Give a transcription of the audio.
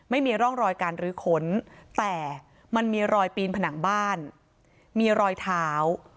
ไม่มีร่องรอยการรื้อขนแต่มันมีรอยปีนผนังบ้านมีรอยเท้า